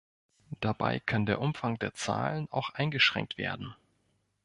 Dabei kann der Umfang der Zahlen auch eingeschränkt werden.